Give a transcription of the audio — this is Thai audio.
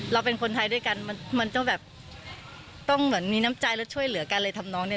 เราเป็นคนไทยด้วยกันมันต้องแบบต้องเหมือนมีน้ำใจแล้วช่วยเหลือกันเลยทำน้องเนี่ย